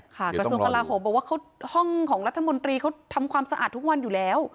กระทรวงกลาโหมบอกว่าห้องของรัฐมนตรีเขาทำความสะอาดทุกวันอยู่แล้ว